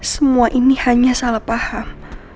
semua ini hanya salah paham